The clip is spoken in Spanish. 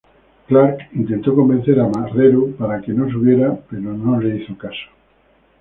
Clark intentó convencer a Marrero para que no subiera, pero no le hizo caso.